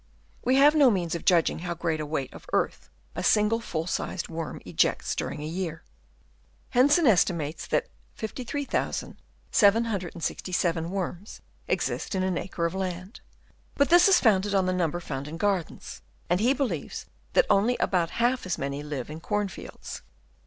We have no means of judging how great a weight of earth a single full sized worm ejects during a year. Hensen estimates that 53,767 worms exist in an acre of land; but this is founded on the number found in gardens, and he believes that only about half as many live in corn fields.